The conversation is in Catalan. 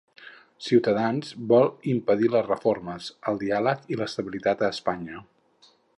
Ciutadans vol impedir les reformes, el diàleg i l'estabilitat a Espanya.